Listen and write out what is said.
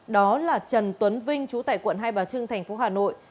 đó là trần tuấn vinh chủ tài quận hai bà trưng tp hà nội